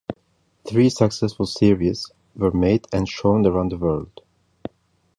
Three successful series were made and shown around the world.